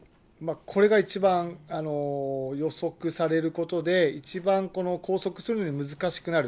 これが一番、予測されることで、一番拘束するのが難しくなる。